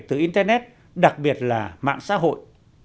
từ internet đặc biệt là mạng xã hội